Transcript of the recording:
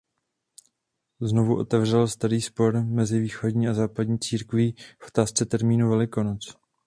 Znovu otevřel starý spor mezi východní a západní církví v otázce termínu Velikonoc.